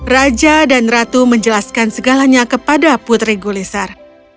raja dan ratu menjelaskan segalanya kepada putri gulisar